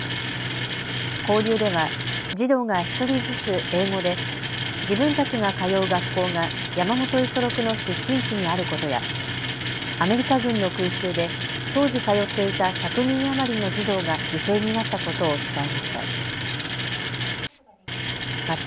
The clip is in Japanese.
交流では児童が１人ずつ英語で自分たちが通う学校が山本五十六の出身地にあることやアメリカ軍の空襲で当時、通っていた１００人余りの児童が犠牲になったことを伝えました。